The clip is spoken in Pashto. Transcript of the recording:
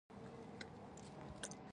ما هغه ته وویل چې له پنجاب څخه تښتېدلی یم.